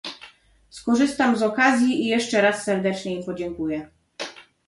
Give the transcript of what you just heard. Skorzystam z okazji i jeszcze raz serdecznie im podziękuję